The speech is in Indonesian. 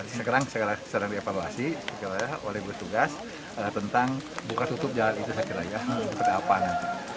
sekarang saya sedang di evaluasi oleh gugus tugas tentang buka tutup jalan itu